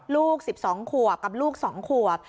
ลูก๑๒ขวบกับลูก๒ขวบ